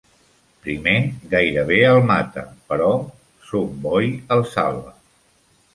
Prime gairebé el mata, però Sun Boy el salva.